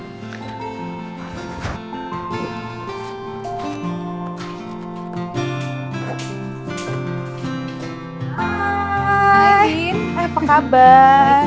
hai hai in apa kabar